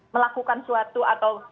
melakukan suatu atau